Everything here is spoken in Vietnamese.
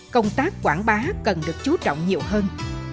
công tác quảng bá cần được chú trọng nhiều hơn